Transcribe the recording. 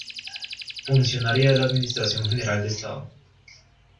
Funcionaria de la Administración General del Estado.